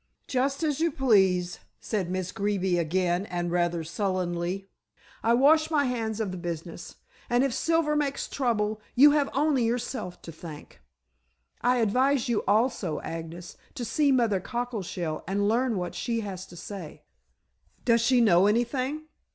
"Just as you please," said Miss Greeby again, and rather sullenly. "I wash my hands of the business, and if Silver makes trouble you have only yourself to thank. I advise you also, Agnes, to see Mother Cockleshell and learn what she has to say." "Does she know anything?"